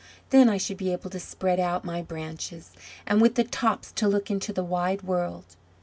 "Then I should be able to spread out my branches, and with the tops to look into the wide world!